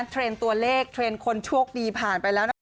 นักเทรนดิ์ตัวเลขเทรนดิ์คนช่วงปีผ่านไปแล้วนะ